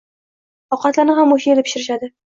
Ovqatlarni ham o`sha erda pishirishadi